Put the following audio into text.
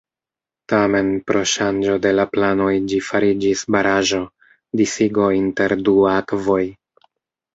Tamen, pro ŝanĝo de la planoj ĝi fariĝis baraĵo: disigo inter du akvoj.